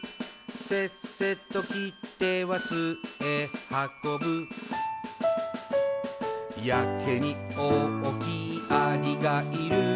「せっせと切っては巣へはこぶ」「やけに大きいアリがいる」